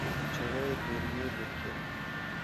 چړه یې په ورمېږ ورکېښوده